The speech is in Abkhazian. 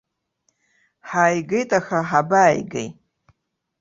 Ҳааигеит, аха ҳабааигеи.